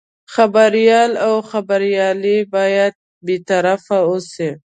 خبریال او خبریالي باید بې طرفه اوسي.